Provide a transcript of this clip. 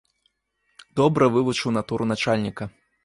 Добра вывучыў натуру начальніка.